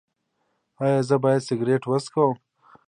ایا زه باید سګرټ وڅکوم؟